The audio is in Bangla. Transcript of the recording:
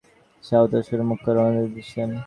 সে আওতাস থেকে মক্কায় রওনার নির্দেশ দিয়েছিল।